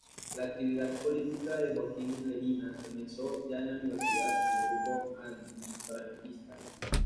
La actividad política de Joaquín Leguina comenzó ya en la universidad, en grupos antifranquistas.